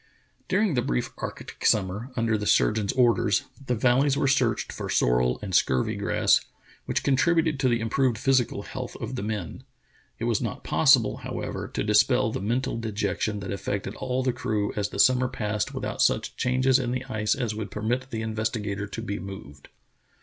During the brief arctic summer, under the surgeon's orders, the valleys were searched for sorrel and scurvy grass, which contributed to the improved physical health of the men. It was not possible, however, to dispel the mental dejection that affected all of the crew as the summer passed without such changes in the ice as would permit the Investigator to be moved.